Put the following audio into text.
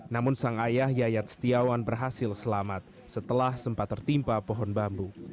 namun sang ayah yayat setiawan berhasil selamat setelah sempat tertimpa pohon bambu